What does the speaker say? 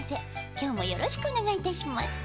きょうもよろしくおねがいいたします。